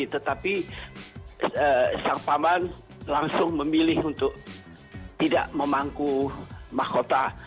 tetapi sang paman langsung memilih untuk tidak memangku mahkota